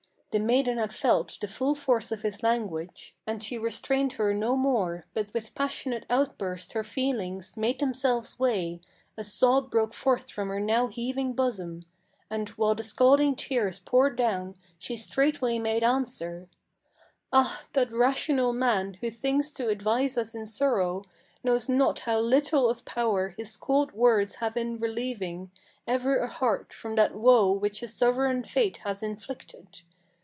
The maiden had felt the full force of his language, And she restrained her no more; but with passionate outburst her feelings Made themselves way; a sob broke forth from her now heaving bosom, And, while the scalding tears poured down, she straightway made answer: "Ah, that rational man who thinks to advise us in sorrow, Knows not how little of power his cold words have in relieving Ever a heart from that woe which a sovereign fate has inflicted.